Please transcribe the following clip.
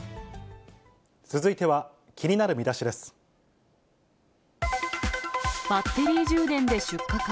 続いては、気になるミダシでバッテリー充電で出火か。